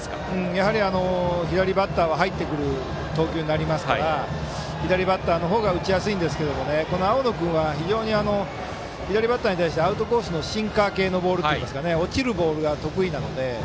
やはり左バッターは入ってくる投球になりますから左バッターの方が打ちやすいんですが青野君は左バッターに対してアウトコースのシンカー系の落ちるボールが得意なので。